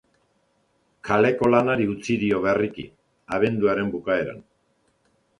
Kaleko lanari utzi dio berriki, abenduaren bukaeran.